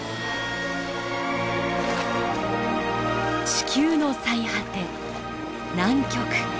地球の最果て南極。